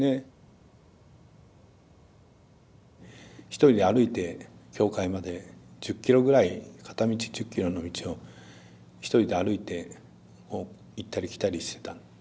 一人で歩いて教会まで１０キロぐらい片道１０キロの道を一人で歩いて行ったり来たりしてた。